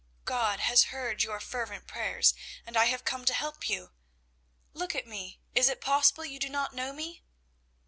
God has heard your fervent prayers, and I have come to help you. Look at me; is it possible you do not know me?"